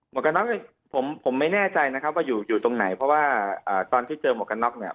กระน็อกผมผมไม่แน่ใจนะครับว่าอยู่ตรงไหนเพราะว่าตอนที่เจอหมวกกันน็อกเนี่ย